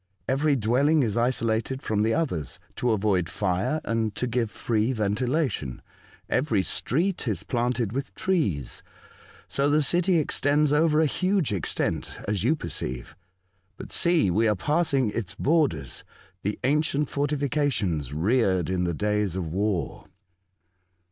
Every dwelling is isolated from the others, to avoid fire, and to give free ventilation. Every street is planted with trees. So the city extends over a huge extent, as you perceive. But, see ! we are passing its borders, the 128 A Voyage to Other Worlds. ancient fortifications reared in the days of war."